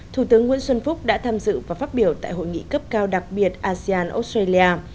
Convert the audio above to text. thủ tướng nguyễn xuân phúc đã tham dự và phát biểu tại hội nghị cấp cao đặc biệt asean australia